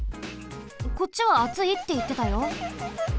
こっちはあついっていってたよ。